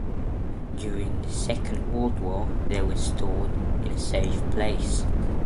During the Second World War, they were stored in a safe place.